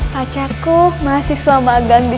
pacarku mahasiswa magang di